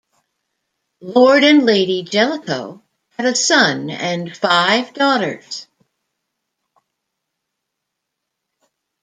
Lord and Lady Jellicoe had a son and five daughters.